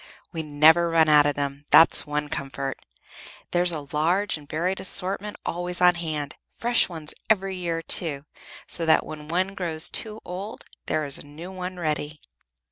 "We never run out of them, that's one comfort. There's a large and varied assortment always on hand. Fresh ones every year, too, so that when one grows too old there is a new one ready.